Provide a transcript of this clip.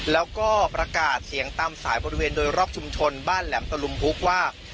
แล้วก็ประกาศเสียงตามสายบริเวณโดยรอบชุมชนบ้านแหลมตะลุมพุกว่า